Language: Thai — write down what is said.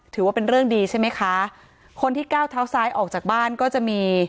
ถือว่าเป็นเรื่องดีใช่ไหมคะคนที่ก้าวเท้าซ้ายออกจากบ้านก็จะมี